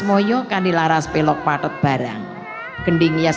moyo kandilaras pelok patet barang kending